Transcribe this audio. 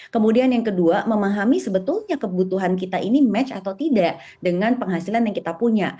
kemudian yang kedua memahami sebetulnya kebutuhan kita ini match atau tidak dengan penghasilan yang kita punya